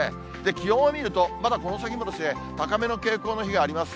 気温を見ると、まだこの先も高めの傾向の日があります。